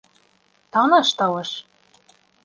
Таныш тауыш!